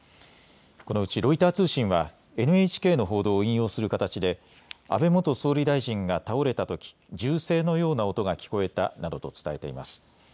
このうち、ロイター通信はＮＨＫの報道を引用する形で安倍元総理大臣が倒れたとき銃声のような音が聞こえたなどと伝えています。